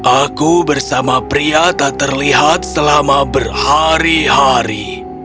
aku bersama pria tak terlihat selama berhari hari